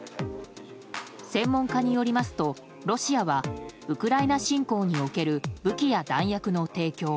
専門家によりますとロシアはウクライナ侵攻における武器や弾薬の提供。